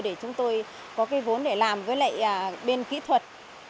để chúng tôi có cái vốn để làm với lại bên kỹ thuật